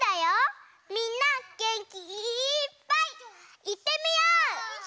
みんなげんきいっぱいいってみよう！